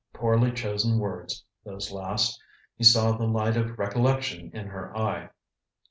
Poorly chosen words, those last. He saw the light of recollection in her eye.